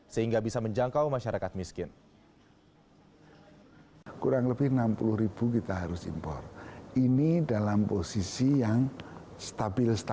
sehingga bisa menjangkau masyarakat miskin